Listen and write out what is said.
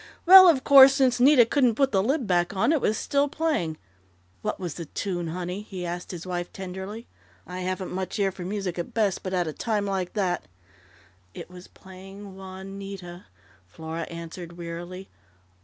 "Well, of course, since Nita couldn't put the lid back on, it was still playing.... What was the tune, honey?" he asked his wife tenderly. "I haven't much ear for music at best, but at a time like that " "It was playing Juanita," Flora answered wearily.